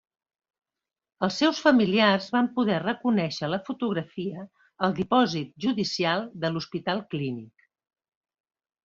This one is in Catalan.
Els seus familiars van poder reconèixer la fotografia al Dipòsit Judicial de l’Hospital Clínic.